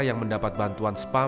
yang mendapat bantuan spam